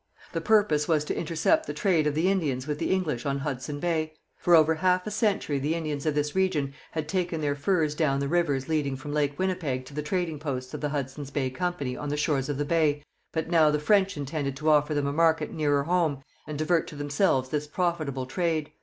The purpose was to intercept the trade of the Indians with the English on Hudson Bay. For over half a century the Indians of this region had taken their furs down the rivers leading from Lake Winnipeg to the trading posts of the Hudson's Bay Company on the shores of the Bay, but now the French intended to offer them a market nearer home and divert to themselves this profitable trade.